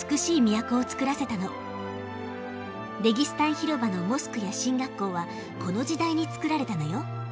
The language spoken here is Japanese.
レギスタン広場のモスクや神学校はこの時代に造られたのよ。